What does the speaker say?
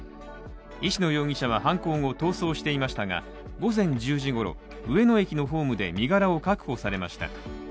石野容疑者は、犯行後逃走していましたが午前１０時ごろ、上野駅のホームで身柄を確保されました。